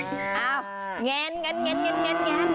คุณแก่จะกับวันนี้นะครับอีกหน่อย